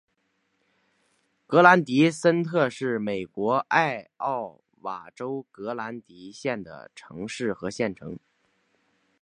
格兰迪森特是美国艾奥瓦州格兰迪县的城市和县城。